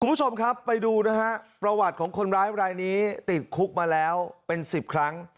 คุณผู้ชมครับไปดูนะฮะประวัติของคนร้ายรายนี้ติดคุกมาแล้วเป็น๑๐ครั้ง